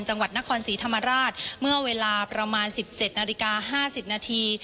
จังหวัดนครศรีธรรมราชเมื่อเวลาประมาณสิบเจ็ดนาฬิกาห้าสิบนาที